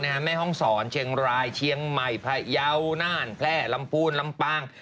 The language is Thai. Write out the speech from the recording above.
โดยเฉพาะแม่ห้องศรเชียงรายเชียงใหม่พระเยาว์น่านแพร่ลำปูนลำป้าง